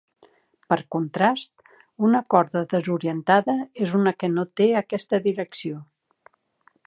Per contrast, una corda desorientada és una que no té aquesta direcció.